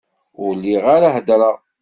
Ur lliɣ ara heddreɣ...